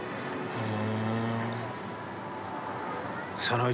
うん？